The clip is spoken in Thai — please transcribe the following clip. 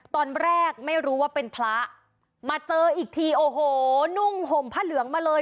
ตอนแรกไม่รู้ว่าเป็นพระมาเจออีกทีโอ้โหนุ่งห่มผ้าเหลืองมาเลย